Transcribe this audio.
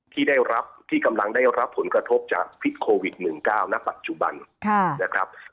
ที่ได้รับที่กำลังได้รับผลกระทบจากพิษโควิด๑๙ณปัจจุบันนะครับ